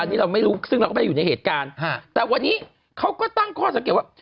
อันนี้เราไม่รู้ซึ่งเราก็ไม่ได้อยู่ในเหตุการณ์แต่วันนี้เขาก็ตั้งข้อสังเกตว่า